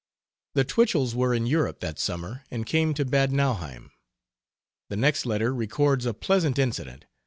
The Twichells were in Europe that summer, and came to Bad Nauheim. The next letter records a pleasant incident.